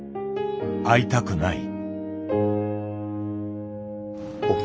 会いたくない。